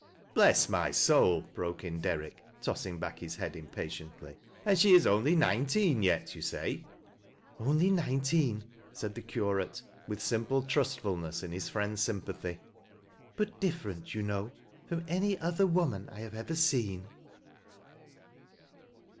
" Bless my soul," broke in Derrick, tossing back hii head impatiently ;" and she is only nineteen yet, yon say %"" Only niaeteen,' said the curate, with simple tnistfal uess in his friend's sympathy, " but different, you knew from any other woman I have ever seen."